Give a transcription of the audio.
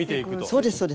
そうですそうです。